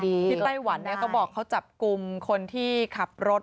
ไต้หวันเขาบอกเขาจับกลุ่มคนที่ขับรถ